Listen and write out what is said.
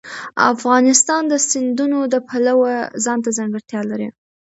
افغانستان د سیندونه د پلوه ځانته ځانګړتیا لري.